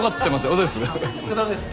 あっお疲れさまです。